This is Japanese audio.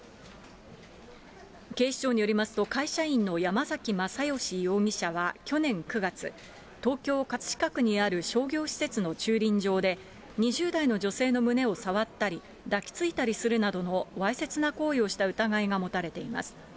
警視庁によりますと、会社員の山崎正義容疑者は去年９月、東京・葛飾区にある商業施設の駐輪場で、２０代の女性の胸を触ったり、抱きついたりするなどのわいせつな行為をした疑いが持たれています。